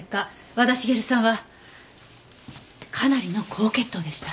和田茂さんはかなりの高血糖でした。